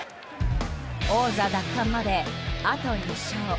王座奪還まで、あと２勝。